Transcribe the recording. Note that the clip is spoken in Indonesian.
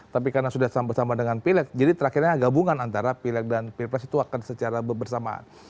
tapi karena sudah bersama dengan pilek jadi terakhirnya gabungan antara pilek dan pilpres itu akan secara bersamaan